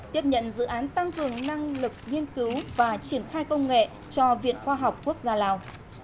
tiếp nhận dự án tăng cường năng lực nghiên cứu và triển khai công nghệ cho viện khoa học quốc gia lào